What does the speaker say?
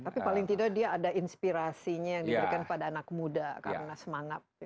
tapi paling tidak dia ada inspirasinya yang diberikan kepada anak muda karena semangat